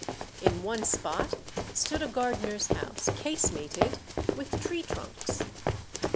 In one spot stood a gar dener's house, casemated with tree trunks.